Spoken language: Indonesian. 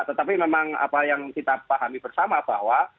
tetapi memang apa yang kita pahami bersama bahwa